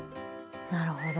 なるほど。